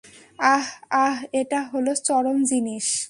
আহ, আহ, এটা হলো চরম জিনিস।